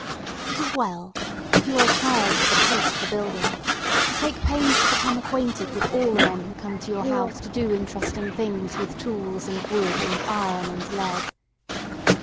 It is well, if you are a child with a taste for building, to take pains to become acquainted with all the men who come to your house to do interesting things with tools and wood and iron and lead.